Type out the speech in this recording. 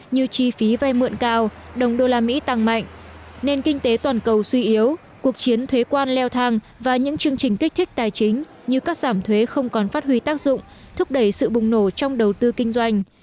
như chi phí vay mượn cao đồng đô la mỹ tăng mạnh nền kinh tế toàn cầu suy yếu cuộc chiến thuế quan leo thang và những chương trình kích thích tài chính như cắt giảm thuế không còn phát huy tác dụng thúc đẩy sự bùng nổ trong đầu tư kinh doanh